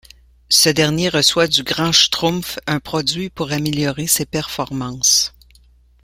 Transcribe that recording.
Ce dernier reçoit du Grand Schtroumpf un produit pour améliorer ses performances.